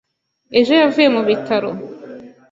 Ejo yavuye mu bitaro.